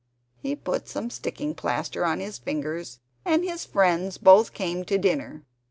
He put some sticking plaster on his fingers, and his friends both came to dinner.